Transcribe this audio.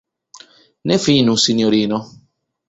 Ne finu, sinjorino!